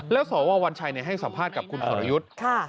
แล้วสววัญชัยให้สัมภาษณ์กับคุณสรยุทธ์